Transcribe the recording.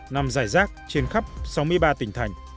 nằm dài rác trên khắp sáu mươi ba tỉnh thành